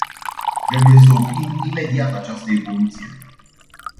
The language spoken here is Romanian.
Trebuie să oprim imediat această evoluție.